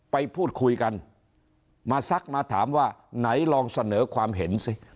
ไปพูดคุยกันมาซักมาถามว่าไหนลองเสนอความเห็นสิ